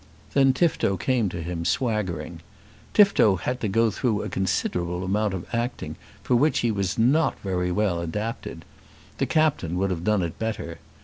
Then Tifto came to him swaggering. Tifto had to go through a considerable amount of acting, for which he was not very well adapted. The Captain would have done it better.